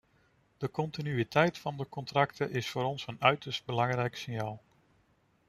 De continuïteit van de contracten is voor ons een uiterst belangrijk signaal.